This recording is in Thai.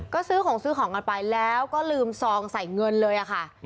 ก็ซื้อของซื้อของกันไปแล้วก็ลืมซองใส่เงินเลยค่ะ